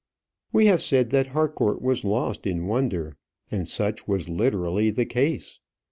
We have said that Harcourt was lost in wonder, and such was literally the case.